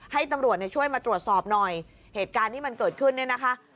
ให้ตำรวจเนี่ยช่วยมาตรวจสอบหน่อยเหตุการณ์ที่มันเกิดขึ้นเนี่ยนะคะ